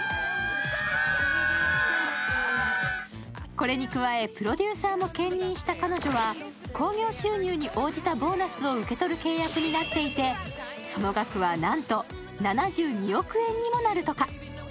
これに加え、プロデューサーも兼任した彼女は興行収入に応じたボーナスを受け取る契約になっていて、その額はなんと７２億円にもなるとか。